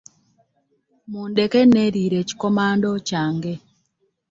Mundeke neeriire ekikomando kyange.